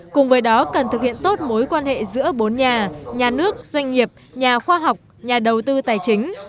cùng với đó cần thực hiện tốt mối quan hệ giữa bốn nhà nhà nước doanh nghiệp nhà khoa học nhà đầu tư tài chính